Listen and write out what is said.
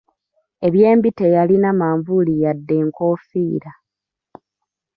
Eby'embi teyalina manvuuli yadde nkoofiira.